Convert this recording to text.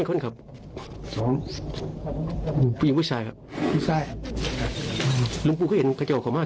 ครับสองผู้หญิงผู้ชายครับผู้ชายแล้วคุณก็เห็นเขาจะเอาของมา